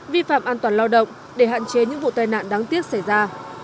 vi phạm an toàn lao động để hạn chế những vụ tai nạn đáng tiếc xảy ra